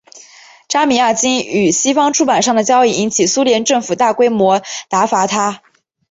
扎米亚京与西方出版商的交易引起苏联政府大规模挞伐他。